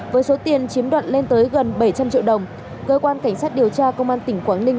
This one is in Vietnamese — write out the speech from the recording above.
với số tiền chiếm đoạt lên tới gần bảy trăm linh triệu đồng cơ quan cảnh sát điều tra công an tỉnh quảng ninh